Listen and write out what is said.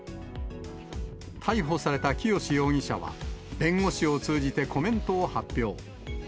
逮捕された清志容疑者は、弁護士を通じてコメントを発表。